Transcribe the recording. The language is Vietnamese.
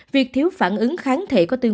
việc thiếu phản ứng kháng thể có tư vấn